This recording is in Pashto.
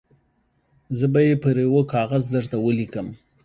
زه به یې پر یوه کاغذ درته ولیکم.